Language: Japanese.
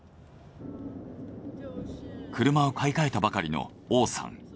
車を買い替えたばかりの王さん。